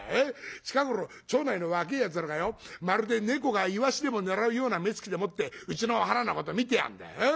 近頃町内の若えやつらがよまるで猫がイワシでも狙うような目つきでもってうちのお花のこと見てやがんだよ。